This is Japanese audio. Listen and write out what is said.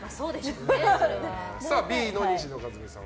Ｂの西野一海さん